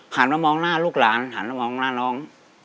หันมามองหน้าลูกหลานหันมามองหน้าน้อง